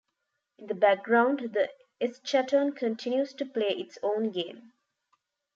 In the background the Eschaton continues to play its own game.